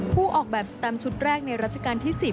ออกแบบสแตมชุดแรกในรัชกาลที่๑๐